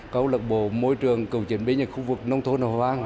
câu lạc bộ môi trường cựu chiến binh ở khu vực nông thôn hòa hoang